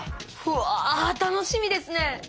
うわ楽しみですね！